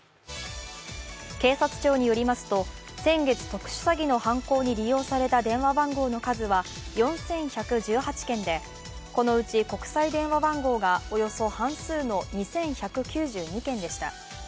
警察庁によりますと、先月、特殊詐欺の犯行に利用された電話番号の数は４１１８件でこのうち国際電話番号がおよそ半数の２１９２件でした。